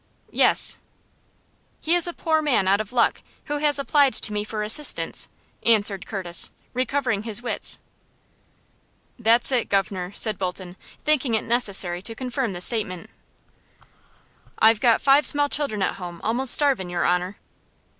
"Yes." "He is a poor man out of luck, who has applied to me for assistance," answered Curtis, recovering his wits. "That's it, governor," said Bolton, thinking it necessary to confirm the statement. "I've got five small children at home almost starvin', your honor."